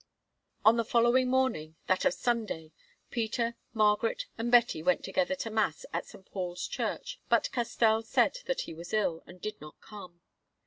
On the following morning, that of Sunday, Peter, Margaret, and Betty went together to Mass at St. Paul's church; but Castell said that he was ill, and did not come.